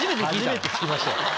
初めて聞きました。